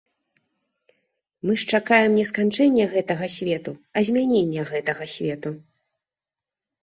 Мы ж чакаем не сканчэння гэтага свету, а змянення гэтага свету.